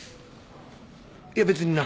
いや別にな。